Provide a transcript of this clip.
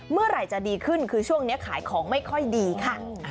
เมื่อไหร่จะดีขึ้นคือช่วงนี้ขายของไม่ค่อยดีค่ะ